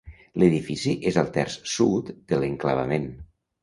L'edifici és al terç sud de l'enclavament.